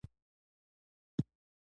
غوا اوږده ژبه لري چې واښه پرې خوري.